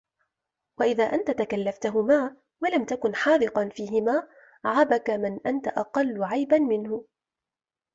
وَإِذَا أَنْتَ تَكَلَّفْتَهُمَا وَلَمْ تَكُنْ حَاذِقًا فِيهِمَا عَابَك مَنْ أَنْتَ أَقَلُّ عَيْبًا مِنْهُ